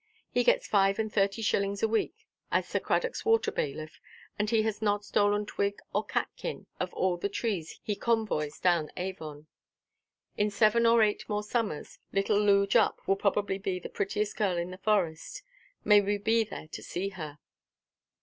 He gets five–and–thirty shillings a–week, as Sir Cradockʼs water–bailiff, and he has not stolen twig or catkin of all the trees he convoys down Avon. In seven or eight more summers, little Loo Jupp will probably be the prettiest girl in the Forest. May we be there to see her!